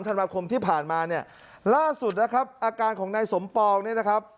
ธันวาคมที่ผ่านมาเนี่ยล่าสุดนะครับอาการของนายสมปองเนี่ยนะครับ